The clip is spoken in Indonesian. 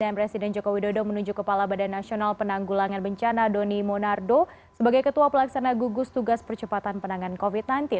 dan presiden joko widodo menunjuk kepala badan nasional penanggulangan bencana doni monardo sebagai ketua pelaksana gugus tugas percepatan penanganan covid sembilan belas